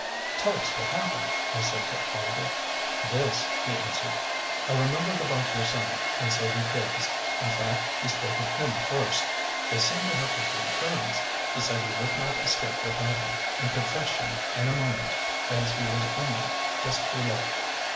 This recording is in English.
"Tell us what happened," I said to Oliver. "This," he answered: "I remembered about your son, and so did Higgs. In fact, he spoke of him first—they seem to have become friends. He said he would not escape without him, and could fetch him in a moment, as he was only just below.